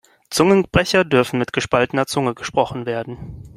Zungenbrecher dürfen mit gespaltener Zunge gesprochen werden.